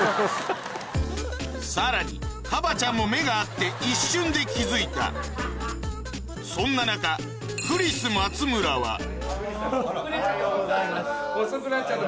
さらにＫＡＢＡ．ちゃんも目が合って一瞬で気付いたそんな中クリス松村は遅れちゃって遅くなっちゃった。